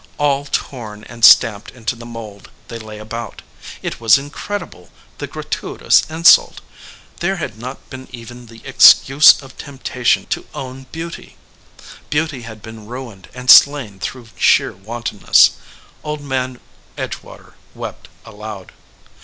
All torn and stamped into the mold, they lay about. It was incredible, the gratuitous insult. There had not been even the excuse of temptation to own beauty. Beauty had been ruined and slain through sheer wanton ness. Old Man Edgewater wept aloud.